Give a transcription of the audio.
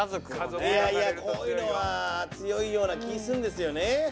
いやいやこういうのは強いような気ぃするんですよね。